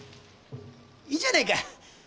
いいじゃねえか。